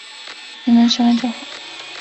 妳们喜欢就好